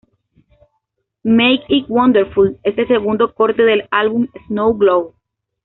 Make It Wonderful es el segundo corte del álbum Snow Globe.